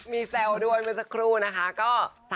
มีแซวด้วยเมื่อสักครู่นะคะ